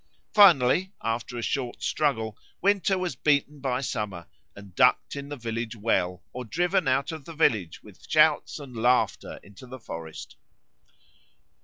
Finally, after a short struggle, Winter was beaten by Summer and ducked in the village well or driven out of the village with shouts and laughter into the forest.